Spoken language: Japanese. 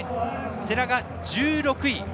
世羅が１６位。